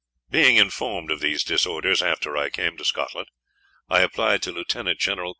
"Being informed of these disorders after I came to Scotland, I applied to Lieut. Genll.